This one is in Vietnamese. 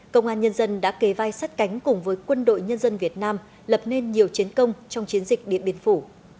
công an nhân dân đã kề vai sát cánh cùng với quân đội nhân dân việt nam lập nên nhiều chiến công trong chiến dịch điện biên phủ